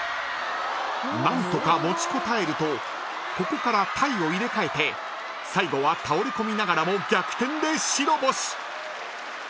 ［何とか持ちこたえるとここから体を入れ替えて最後は倒れ込みながらも逆転で白星］